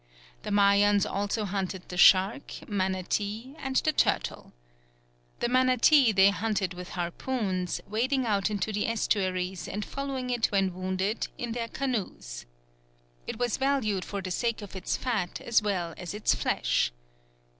The Mayans also hunted the shark, manatee, and the turtle. The manatee they hunted with harpoons, wading out into the estuaries and following it when wounded in their canoes. It was valued for the sake of its fat as well as its flesh.